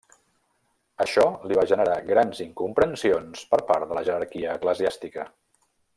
Això li va generar grans incomprensions per part de la jerarquia eclesiàstica.